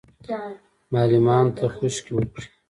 معلمانو ته خشکې وکړې.